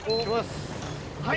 はい。